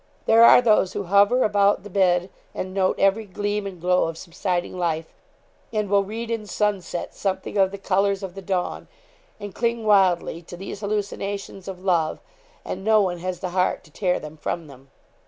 There are those who hover about the bed and note every gleam and glow of subsiding life, and will read in sunset something of the colours of the dawn, and cling wildly to these hallucinations of love; and no one has the heart to tear them from them.